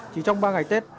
chỉ trong ba ngày tết